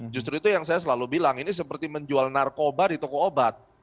justru itu yang saya selalu bilang ini seperti menjual narkoba di toko obat